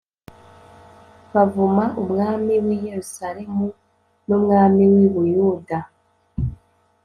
bavuma umwami w i Yerusalemu n umwami w I buyuda